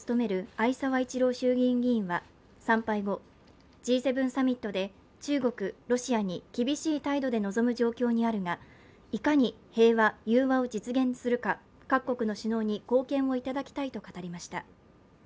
逢沢一郎衆議院議員は参拝後、Ｇ７サミットで中国、ロシアに厳しい態度で臨む状況にあるが、いかに平和・融和を実現するか各国の首脳に貢献をいただきたいと語りました。